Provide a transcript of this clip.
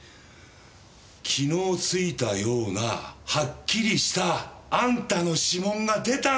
昨日付いたようなはっきりしたあんたの指紋が出たんだよ！